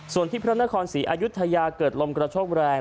ส่วนที่พระนครศรีอายุทยาเกิดลมกระโชกแรง